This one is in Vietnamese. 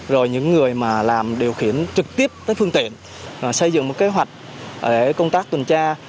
rồi những người mà làm điều khiển trực tiếp tới phương tiện xây dựng một kế hoạch để công tác tuyên truyền